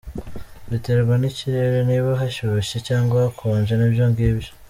Biterwa n’ikirere, niba hashyushye cyangwa hakonje nibyo ng’ibyo.